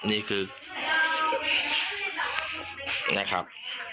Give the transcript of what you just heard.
นี่คือนะครับ